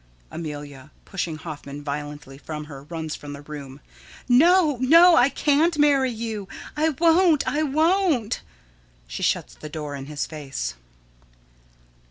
Amelia: [Pushing Hoffman violently from her, runs from the room.] No, no, I can't marry you! I won't! I won't! [_She shuts the door in his face.